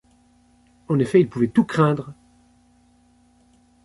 En effet, il pouvait tout craindre.